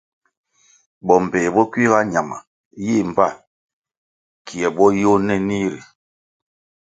Bo mbpéh bo kuiga ñama yih mbpa kie bo yôh nenih ri.